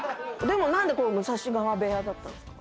何で武蔵川部屋だったんですか？